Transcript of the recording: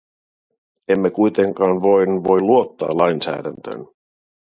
Emme voi kuitenkaan vain luottaa lainsäädäntöön.